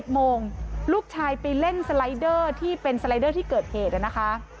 โมงลูกชายไปเล่นสไลเดอร์ที่เป็นสไลเดอร์ที่เกิดเหตุนะคะ